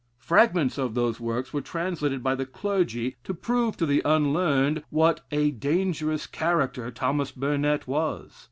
Fragments of those works were translated by the clergy to prove to the unlearned what a dangerous character Thomas Burnet was.